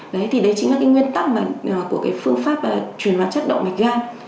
đấy thì đấy chính là cái nguyên tắc của cái phương pháp truyền đoán chất động mạch gan